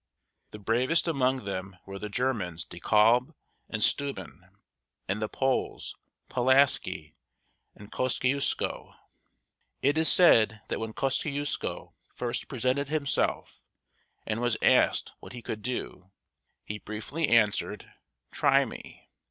The bravest among them were the Germans De Kalb´ and Steu´ben, and the Poles Pu las´kĭ and Kos ci us´ko. It is said that when Kosciusko first presented himself, and was asked what he could do, he briefly answered: "Try me."